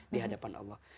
di hadapan allah